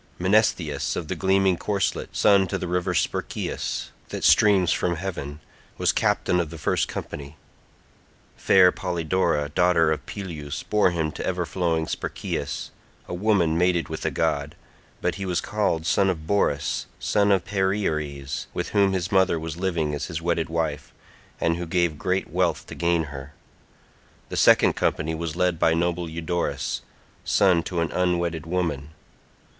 Menesthius of the gleaming corslet, son to the river Spercheius that streams from heaven, was captain of the first company. Fair Polydora daughter of Peleus bore him to ever flowing Spercheius—a woman mated with a god—but he was called son of Borus son of Perieres, with whom his mother was living as his wedded wife, and who gave great wealth to gain her. The second company was led by noble Eudorus, son to an unwedded woman.